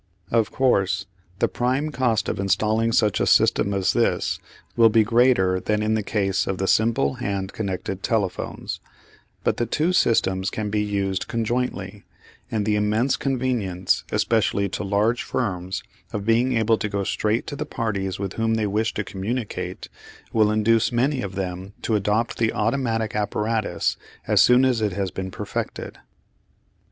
Of course the prime cost of installing such a system as this will be greater than in the case of the simple hand connected telephones; but the two systems can be used conjointly, and the immense convenience, especially to large firms, of being able to go straight to the parties with whom they wish to communicate, will induce many of them to adopt the automatic apparatus as soon as it has been perfected.